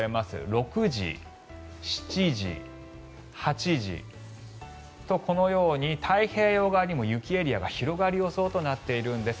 ６時、７時、８時とこのように太平洋側にも雪エリアが広がる予想となっているんです。